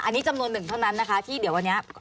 อันนี้จำนวนหนึ่งเท่านั้นนะคะที่เดี๋ยววันนี้